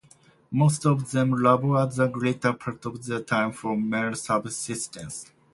Most of them labour the greater part of their time for mere subsistence.